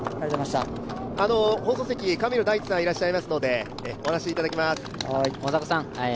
放送席、神野大地さんがいらっしゃいますのでお話しいただきます。